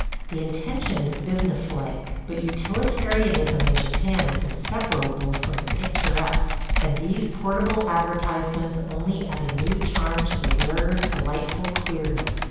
The intention is business like, but utilitarianism in Japan is inseparable from the picturesque, and these portable advertisements only add a new charm to the wearer's delightful queerness.